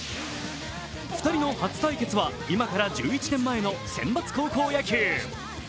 ２人の初対決は今から１１年前の選抜高校野球。